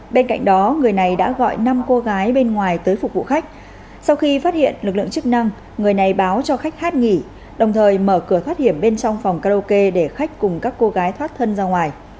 bên cạnh đó người này đã gọi năm cô gái bên ngoài tới phục vụ khách sau khi phát hiện lực lượng chức năng người này báo cho khách hát nghỉ đồng thời mở cửa thoát hiểm bên trong phòng karaoke để khách cùng các cô gái thoát thân ra ngoài